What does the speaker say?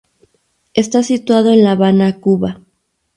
Está situado en la Habana, Cuba.